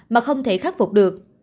mà không thể khắc phục được